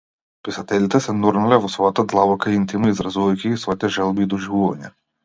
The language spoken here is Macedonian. Писателите се нурнале во својата длабока интима, изразувајќи ги своите желби и доживувања.